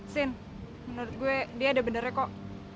sin menurut gue dia ada benarnya kok